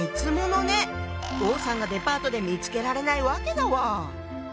王さんがデパートで見つけられないわけだわ。